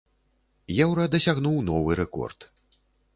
Еўра дасягнуў новы рэкорд.